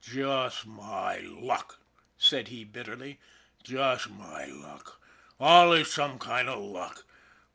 " Jus' my luck," said he bitterly. " Jus' my luck. Allus same kind of luck.